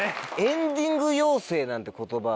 エンディング妖精なんて言葉